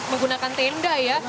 menggunakan tenda ya